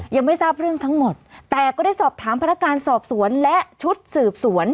ยังไม่ทราบเรื่องทั้งหมดแต่ก็ได้สอบถามพนักการสอบสวนและชุดสืบสวน